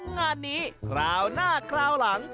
งานนี้คราวหน้าคราวหลัง